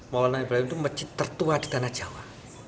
maulana ibrahim itu masjid tertua di tanah jawa